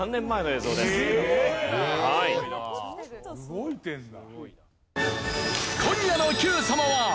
動いてるんだ。